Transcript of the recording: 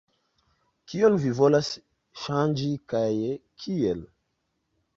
Kion vi volas ŝanĝi kaj kiel?